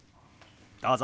どうぞ。